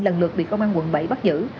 lần lượt bị công an quận bảy bắt giữ